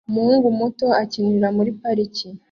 umuhungu muto akinira muri pariki